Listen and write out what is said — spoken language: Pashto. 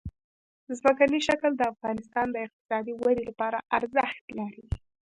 ځمکنی شکل د افغانستان د اقتصادي ودې لپاره ارزښت لري.